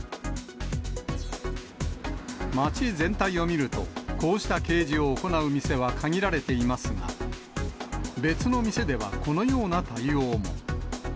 街全体を見ると、こうした掲示を行う店は限られていますが、別の店ではこのような対応も。